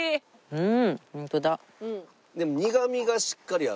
うん。